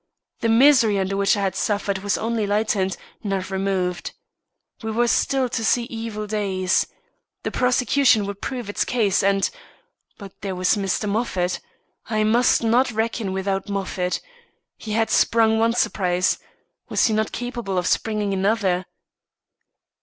The misery under which I had suffered was only lightened, not removed. We were still to see evil days. The prosecution would prove its case, and But there was Mr. Moffat. I must not reckon without Moffat. He had sprung one surprise. Was he not capable of springing another?